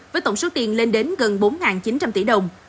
với tổng số tiền lên đến gần bốn chín trăm linh tỷ đồng